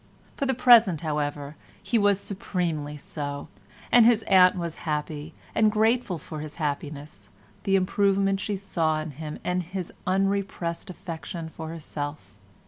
For the present, however, he was supremely so, and his aunt was happy and grateful for his happiness, the improvement she saw in him, and his unrepressed affection for herself.